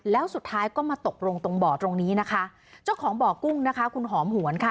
แล้วสุดท้ายก็มาตกลงตรงบ่อตรงนี้นะคะเจ้าของบ่อกุ้งนะคะคุณหอมหวนค่ะ